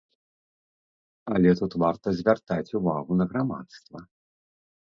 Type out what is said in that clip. Але тут варта звяртаць увагу на грамадства.